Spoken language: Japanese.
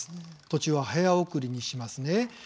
途中は早送りにしますね。